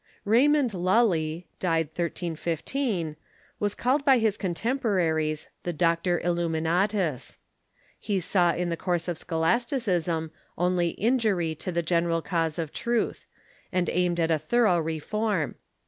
Raymond Lully (died 1315) was called by iiis contempo raries the "Doctor Illuminatus." He saw in the course of scholasticism only iniurv to the general cause of truth, Lully . J J J t> ' and aimed at a thorough reform.